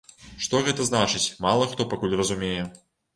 Што гэта значыць, мала хто пакуль разумее.